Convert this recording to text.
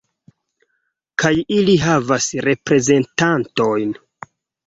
Kaj ili havas reprezentantojn.